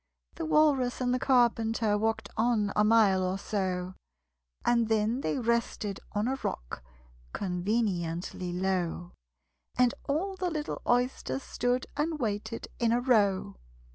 The Walrus and the Carpenter Walked on a mile or so, And then they rested on a rock Conveniently low: And all the little Oysters stood And waited in a row.